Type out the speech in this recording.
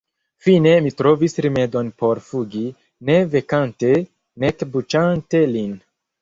Fine mi trovis rimedon por fugi, ne vekante nek buĉante lin.